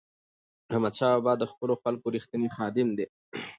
احمدشاه بابا د خپلو خلکو رښتینی خادم و.